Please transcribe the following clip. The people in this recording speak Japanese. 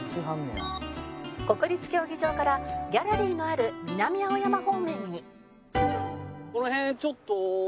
国立競技場からギャラリーのある南青山方面に